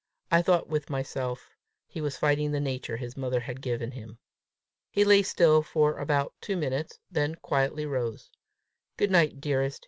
I thought with myself he was fighting the nature his mother had given him. He lay still for about two minutes, then quietly rose. "Good night, dearest!"